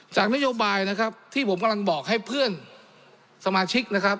จากนโยบายนะครับที่ผมกำลังบอกให้เพื่อนสมาชิกนะครับ